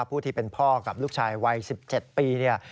ผู้ที่เป็นพ่อกับลูกชายวัย๑๗ปีเนี่ย